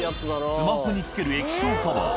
スマホに付ける液晶カバー。